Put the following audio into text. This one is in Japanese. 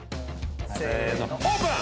せーのオープン！